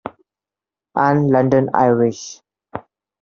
and London Irish.